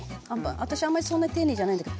私あんまりそんなに丁寧じゃないんだけど。